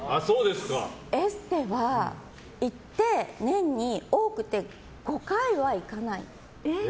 エステは行って年に多くて５回は行かない。